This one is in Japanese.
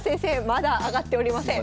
まだ上がっておりません。